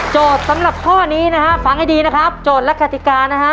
สำหรับข้อนี้นะฮะฟังให้ดีนะครับโจทย์และกติกานะฮะ